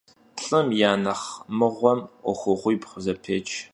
Lh'ım ya nexh mığuem 'uexuğuibğu zepêç.